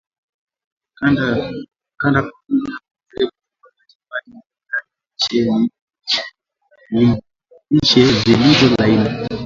Kanda kwa mda mrefu kupata chapati za viazi lishe zilizo laini